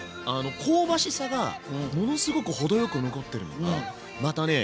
香ばしさがものすごく程よく残ってるのがまたね